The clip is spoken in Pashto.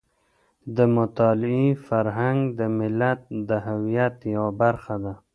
د مطالعې فرهنګ د ملت د هویت یوه برخه ده.